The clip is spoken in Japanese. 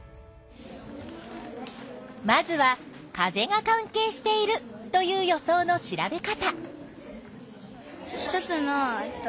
まずは風が関係しているという予想の調べ方。